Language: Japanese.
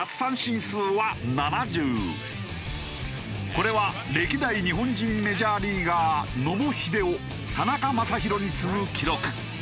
これは歴代日本人メジャーリーガー野茂英雄田中将大に次ぐ記録。